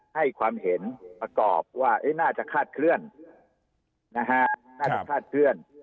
ให้ความเห็นประกอบว่าน่าจะคาดเคลื่อนน่าจะคาดเคลื่อน